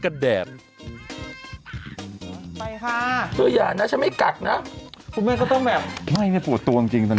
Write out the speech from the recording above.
คุณแม่ก็ต้องแบบไม่นี่ปวดตัวจริง